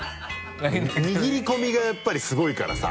握り込みがやっぱりすごいからさ。